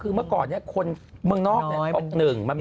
น่าจะกินเลี้ยงเมื่อกี้เท่าไร